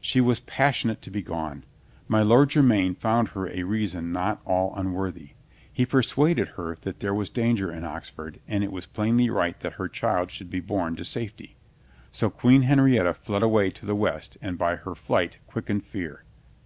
She was passionate to be gone. My Lord Jermyn found her a reason not all unworthy. He persuaded her that there was danger in Oxford and it was plainly right that her child should be born to safety. So Queen Henrietta fled away to the west and by her flight quickened fear.